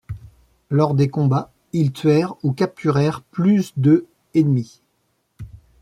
Lors des combats, ils tuèrent ou capturèrent plus de ennemis.